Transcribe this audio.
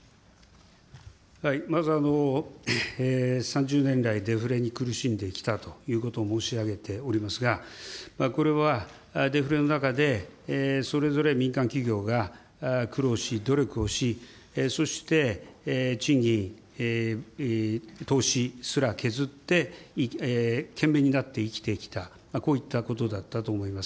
まず３０年来、デフレに苦しんできたということを申し上げておりますが、これはデフレの中で、それぞれ民間企業が苦労し、努力をし、そして賃金、投資すら削って、懸命になって生きてきた、こういったことだったと思います。